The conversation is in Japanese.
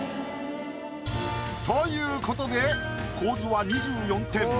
ということで構図は２４点。